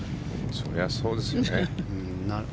それはそうですよね。